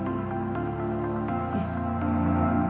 うん。